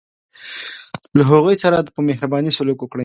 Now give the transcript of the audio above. له هغوی سره یې په مهربانۍ سلوک وکړ.